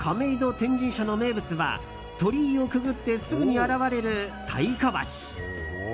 天神社の名物は鳥居をくぐってすぐに現れる太鼓橋。